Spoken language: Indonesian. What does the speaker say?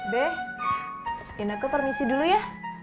be ineke permisi dulu ya